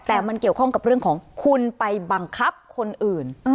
แต่มันเกี่ยวข้องกับเรื่องของคุณไปบังคับคนอื่น